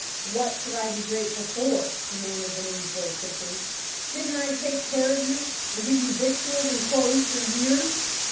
"What should I be grateful for?" demanded the newsboy, quickly. "Didn't I take care of you, and give you victuals and clothes for years?"